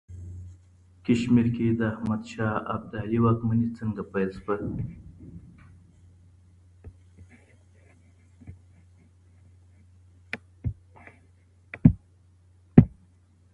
کشمیر کي د احمد شاه ابدالي واکمني څنګه پیل سوه؟